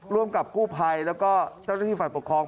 ร่วมกับกู้ภัยแล้วก็เจ้าหน้าที่ฝ่ายปกครอง